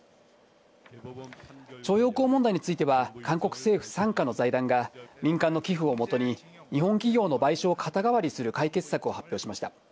徴用工問題については、韓国政府傘下の財団が、民間の寄付をもとに、日本企業の賠償を肩代わりする解決策を発表しました。